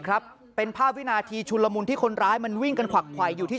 ครับเป็นภาพวินาทีชุนละมุนที่คนร้ายมันวิ่งกันขวักไขวอยู่ที่